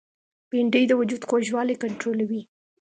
بېنډۍ د وجود خوږوالی کنټرولوي